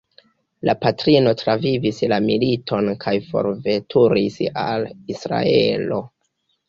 La patrino travivis la militon kaj forveturis al Israelo.